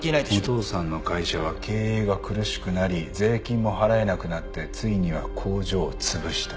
お父さんの会社は経営が苦しくなり税金も払えなくなってついには工場をつぶした。